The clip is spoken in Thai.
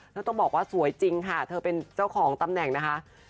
แล้วต้องบอกว่าสวยจริงค่ะเธอเป็นเจ้าของตำแหน่งนะคะ